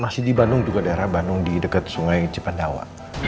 masih di bandung juga daerah bandung di dekat sungai cipandawa